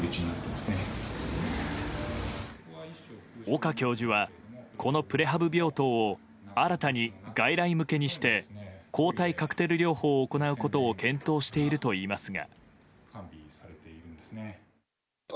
岡教授は、このプレハブ病棟を新たに外来向けにして抗体カクテル療法を行うことを検討しているといいますが。